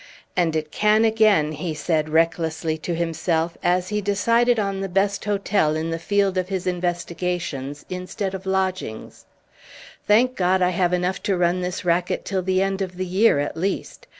"And it can again," he said recklessly to himself, as he decided on the best hotel in the field of his investigations, instead of lodgings; "thank God, I have enough to run this racket till the end of the year at least!